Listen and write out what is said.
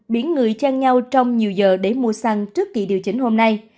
biển người chen nhau trong nhiều giờ để mua xăng trước kỳ điều chỉnh hôm nay